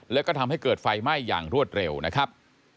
แล้วก็ทำให้เกิดไฟไหม้อย่างรวดเร็วนะครับ